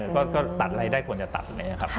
ก็ตัดอะไรได้ควรจะตัดเลยนะครับ